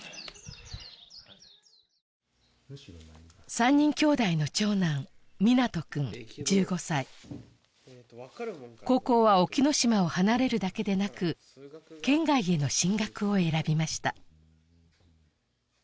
３人兄弟の長男皆杜君１５歳高校は隠岐の島を離れるだけでなく県外への進学を選びました